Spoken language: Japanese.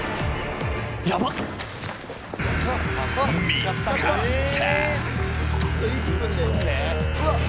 見つかった。